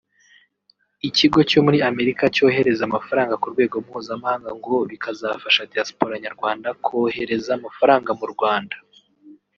ikigo cyo muri Amerika cyohereza amafaranga ku rwego mpuzamahanga ngo bikazafasha diaspora nyarwanda kohereza amafaranga mu Rwanda